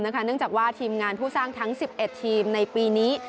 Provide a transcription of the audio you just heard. เนื่องจากว่าทีมงานผู้สร้างทั้ง๑๑ทีมในปีนี้